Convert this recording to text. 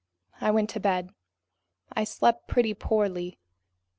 I went to bed. I slept pretty poorly.